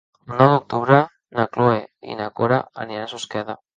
El nou d'octubre na Cloè i na Cora aniran a Susqueda.